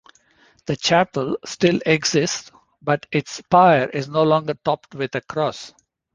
The chapel still exists but its spire is no longer topped with a cross.